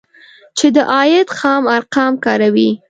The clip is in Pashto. چې د عاید خام ارقام کاروي